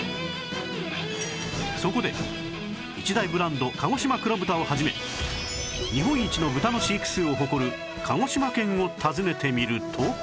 そこで一大ブランドかごしま黒豚を始め日本一の豚の飼育数を誇る鹿児島県を訪ねてみると